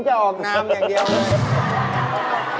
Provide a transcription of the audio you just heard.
จะออกนามอย่างเดียวเลย